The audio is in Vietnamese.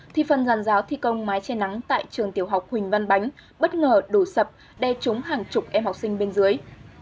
thì phần giàn giáo thi công mái che nắng tại trường tiểu học huỳnh văn bánh bất ngờ đổ sập đe trúng hàng chục em học sinh bên dưới